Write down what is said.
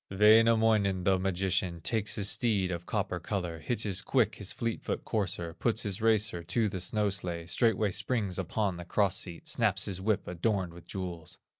Wainamoinen, the magician, Takes his steed of copper color, Hitches quick his fleet foot courser, Puts his racer to the snow sledge, Straightway springs upon the cross seat, Snaps his whip adorned with jewels.